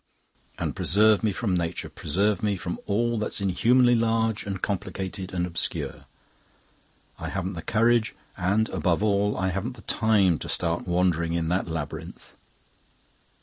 And preserve me from nature, preserve me from all that's inhumanly large and complicated and obscure. I haven't the courage, and, above all, I haven't the time to start wandering in that labyrinth."